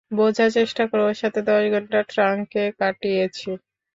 বোঝার চেষ্টা করো, ওর সাথে দশ ঘন্টা ট্রাঙ্কে কাটিয়েছি।